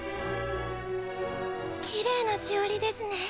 きれいなしおりですね。